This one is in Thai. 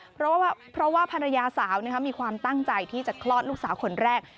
เพราะว่าภรรยาสาวมีความตั้งใจที่จะคลอดลูกสาวคนแรก